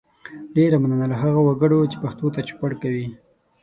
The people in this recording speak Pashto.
ډیره مننه له هغو وګړو چې پښتو ته چوپړ کوي